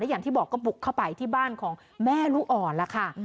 อย่างที่บอกก็บุกเข้าไปที่บ้านของแม่ลูกอ่อนล่ะค่ะ